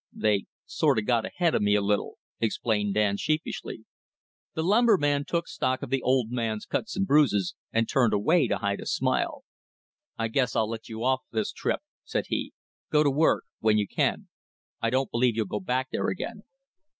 "They sort of got ahead of me a little," explained Dan sheepishly. The lumberman took stock of the old man's cuts and bruises, and turned away to hide a smile. "I guess I'll let you off this trip," said he. "Go to work when you can. I don't believe you'll go back there again."